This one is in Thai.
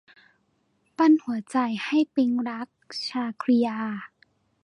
ปั้นหัวใจให้ปิ๊งรัก - ชาครียา